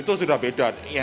itu sudah beda